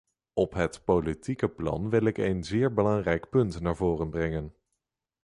Op het politieke plan wil ik een zeer belangrijk punt naar voren brengen.